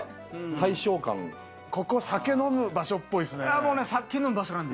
ここ酒飲む場所っぽいですね。